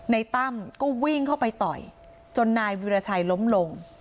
ตั้มก็วิ่งเข้าไปต่อยจนนายวิราชัยล้มลง